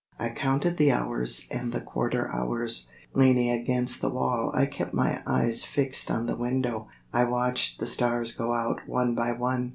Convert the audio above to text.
I counted the hours and the quarter hours. Leaning against the wall I kept my eyes fixed on the window. I watched the stars go out one by one.